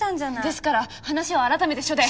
ですから話は改めて署で。